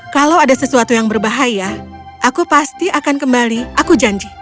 kalau ada sesuatu yang berbahaya aku pasti akan kembali aku janji